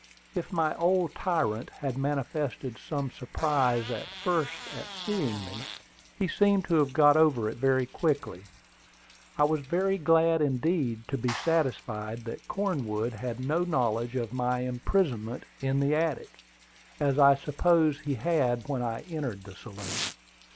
If my old tyrant had manifested some surprise at first at seeing me, he seemed to have got over it very quickly. I was very glad indeed to be satisfied that Cornwood had no knowledge of my imprisonment in the attic, as I supposed he had when I entered the saloon.